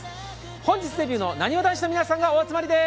本日デビューのなにわ男子の皆さんがお集まりです。